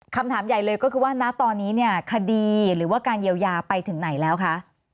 คำถามใหญ่เลยก็คือว่าณตอนนี้เนี่ยคดีหรือว่าการเยียวยาไปถึงไหนแล้วคะ